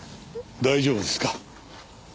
大丈夫ですか？